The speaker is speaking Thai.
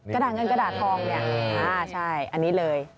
กระดาษเงินกระดาษทองเนี่ยใช่อันนี้เลย